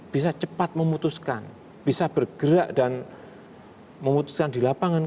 bisa cepat memutuskan bisa bergerak dan memutuskan di lapangan